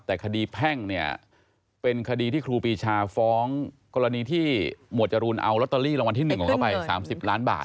แต่คดีแพ่งเนี่ยเป็นคดีที่ครูปีชาฟ้องกรณีที่หมวดจรูนเอาลอตเตอรี่รางวัลที่๑ของเขาไป๓๐ล้านบาท